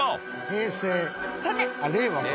平成令和か。